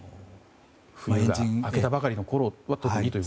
冬が明けたばかりの頃は特にと。